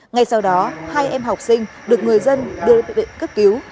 ngay sau đó hai em học sinh được người dân đưa bệnh viện cấp cứu